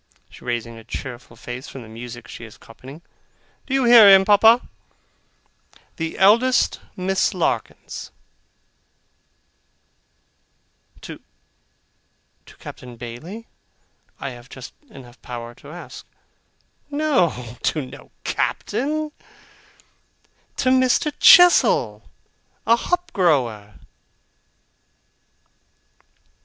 raising her cheerful face from the music she is copying. 'Do you hear him, Papa? The eldest Miss Larkins.' 'To to Captain Bailey?' I have just enough power to ask. 'No; to no Captain. To Mr. Chestle, a hop grower.